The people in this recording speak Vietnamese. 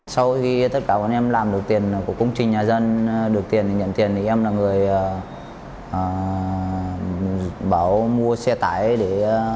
sau khi tất cả bọn em làm được tiền của công trình nhà dân được tiền nhận tiền thì em là người bảo mua xe tải để